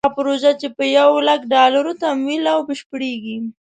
هغه پروژه چې په یو لک ډالرو تمویل او بشپړېږي.